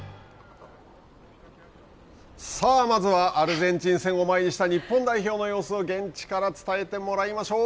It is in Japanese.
さあまずはアルゼンチン戦を前にした、日本代表の様子を現地から伝えてもらいましょう。